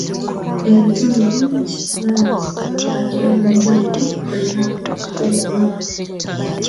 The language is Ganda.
Ebitone bingi byayolesebwa abantu ab'enjawulo olunaku olwo.